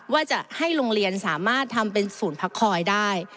ว่าจะให้โรงเรียนสามารถทำเป็นศูนย์พักคอยได้